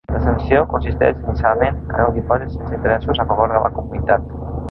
La sanció consisteix inicialment en un dipòsit sense interessos, a favor de la Comunitat.